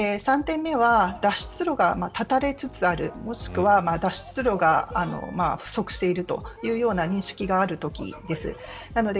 ３点目は脱出路が断たれつつあるもしくは、脱出路が不足しているというような認識があるときです。